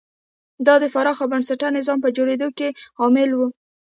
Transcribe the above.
دا د پراخ بنسټه نظام په جوړېدو کې عامل و.